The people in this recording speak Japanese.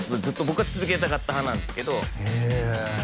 ずっと僕は続けたかった派なんですけど